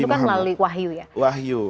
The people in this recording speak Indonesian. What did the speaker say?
itu kan melalui wahyu ya